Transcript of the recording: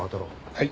はい。